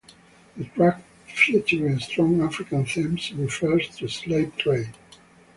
The track, featuring strong African themes, refers to slave trade.